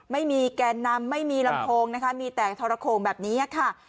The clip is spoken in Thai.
แกนนำไม่มีลำโพงนะคะมีแต่ทรโคงแบบนี้ค่ะ